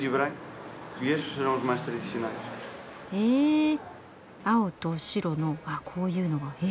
へえ青と白のあこういうのが。へ。